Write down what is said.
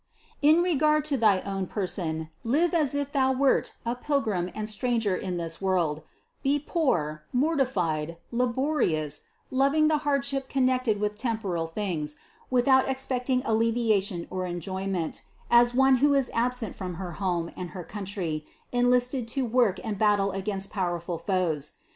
459. In regard to thy own person live as if thou wert 358 CITY OF GOD a pilgrim and stranger in this world; be poor, mortified, laborious, loving the hardship connected with temporal things, without expecting alleviation or enjoyment, as one who is absent from her home and her country, enlisted to work and battle against powerful foes.